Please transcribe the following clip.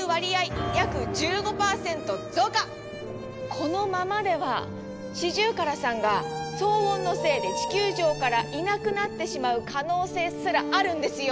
このままではシジュウカラさんが騒音のせいで地球上からいなくなってしまう可能性すらあるんですよ！